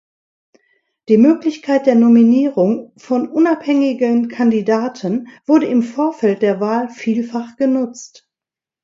Die Möglichkeit der Nominierung von unabhängigen Kandidaten wurde im Vorfeld der Wahl vielfach genutzt.